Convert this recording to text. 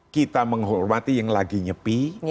kita menghormati yang lagi nyepi